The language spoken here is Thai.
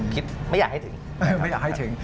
คิดไม่อยากให้ถึง